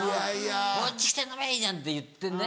「こっち来て飲みゃいいじゃん！」って言ってね。